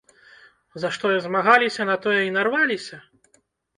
За што змагаліся, на тое і нарваліся?